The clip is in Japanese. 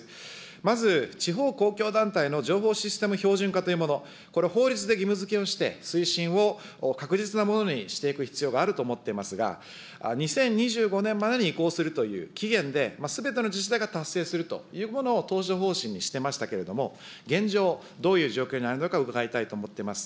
まず、地方公共団体の情報システム標準化というもの、これ、法律で義務づけをして、推進を確実なものにしていく必要があると思っていますが、２０２５年までに移行するという期限で、すべての自治体が達成するというものを当初方針にしてましたけれども、現状、どういう状況にあるのか伺いたいと思っています。